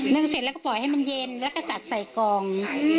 ึ่งเสร็จแล้วก็ปล่อยให้มันเย็นแล้วก็สัดใส่กอง